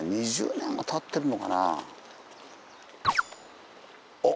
２０年はたってるのかなあ。